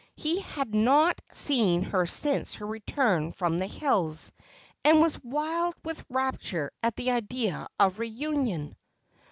He had not seen her since her return from the hills, and was wild with rapture at the idea of reunion.